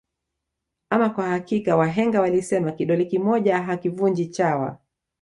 Ama kwa hakika wahenga walisema kidole kimoja akivunji chawa